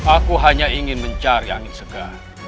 aku hanya ingin mencari angin segar